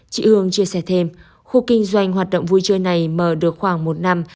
chị hương chia sẻ thêm khu kinh doanh hoạt động vui chơi này mở được khoảng một năm